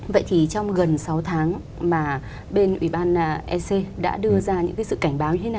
vậy thì trong gần sáu tháng mà bên ủy ban ec đã đưa ra những cái sự cảnh báo